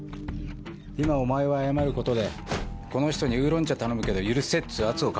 今お前は謝ることでこの人に「ウーロン茶頼むけど許せ」っつう圧をかけたんだよ。